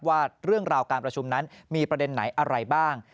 ว่าเรื่องราวการประชุมนั้นมีประเด็นไหนอะไรบ้าง